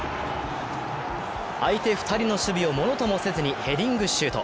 相手２人の守備をものともせずにヘディングシュート。